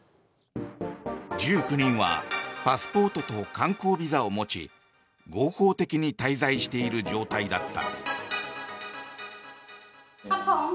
１９人はパスポートと観光ビザを持ち合法的に滞在している状態だった。